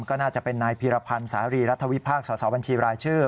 ก็น่าจะเป็นนายพีรพันธ์สารีรัฐวิพากษสอบัญชีรายชื่อ